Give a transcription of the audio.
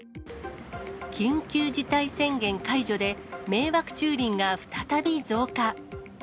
緊急事態宣言解除で、迷惑駐輪が再び増加。